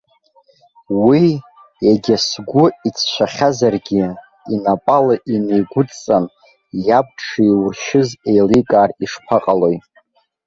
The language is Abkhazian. Уи, егьа сгәы ицәцахьазаргьы, инапала инеигәыдҵан иаб дшиуршьыз еиликаар ишԥаҟалои?!